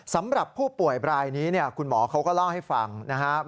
สำหรับผู้ป่วยรายนี้คุณหมอเขาก็เล่าให้ฟังนะครับ